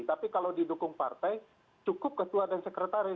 tapi kalau didukung partai cukup ketua dan sekretaris